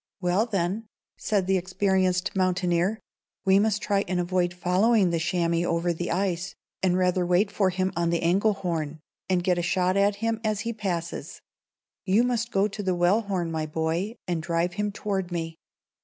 "Well, then," said the experienced mountaineer, "we must try and avoid following the chamois over the ice, and rather wait for him on the Engelhorn, and get a shot at him as he passes. You must go to the Wellhorn, my boy, and drive him toward me."